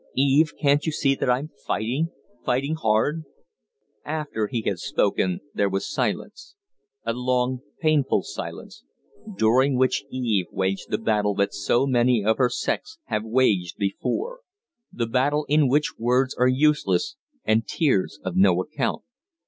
Eve, can't you see that I'm fighting fighting hard?" After he had spoken there was silence a long, painful silence during which Eve waged the battle that so many of her sex have waged before; the battle in which words are useless and tears of no account.